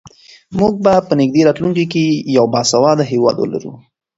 موږ به په نږدې راتلونکي کې یو باسواده هېواد ولرو.